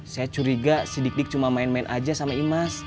saya curiga sidik dik cuma main main aja sama imas